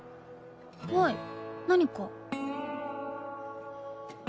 はい何か？